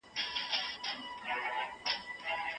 ښځو ته د میراث حق نه ورکول کېدی.